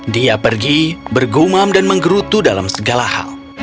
dia pergi bergumam dan menggerutu dalam segala hal